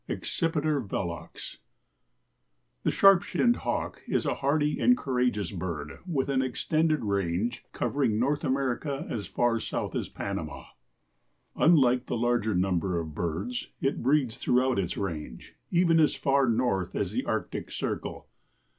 (Accipiter velox.) The Sharp shinned Hawk is a hardy and courageous bird with an extended range, covering North America as far south as Panama. Unlike the larger number of birds, it breeds throughout its range, even as far north as the Arctic circle.